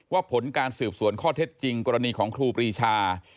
ผลการสืบสวนข้อเท็จจริงกรณีของครูปรีชา